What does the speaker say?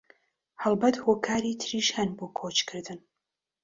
هەڵبەت هۆکاری تریش هەن بۆ کۆچکردن